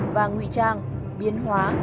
và nguy trang biến hóa